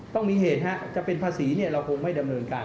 ต้องมีเหตุจะเป็นภาษีเราคงไม่ดำเนินการ